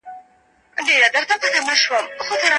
ډیډیموس او ډیمورفوس د سپوږمکۍ څارل کېږي.